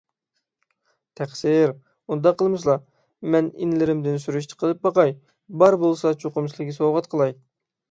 تەقسىر، ئۇنداق قىلمىسىلا! مەن ئىنىلىرىمدىن سۈرۈشتە قىلىپ باقاي، بار بولسا چوقۇم سىلىگە سوۋغات قىلاي